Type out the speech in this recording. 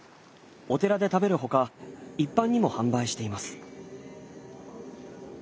お寺で食べるほか一般にも販売しています。